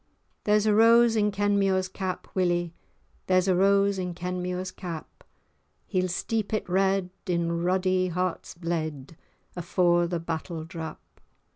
[#] armour. There's a rose in Kenmure's cap, Willie, There's a rose in Kenmure's cap, He'll steep it red in ruddie heart's blade, Afore the battle drap.